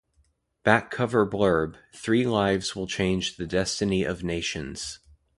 Backcover blurb: Three lives will change the destiny of nations.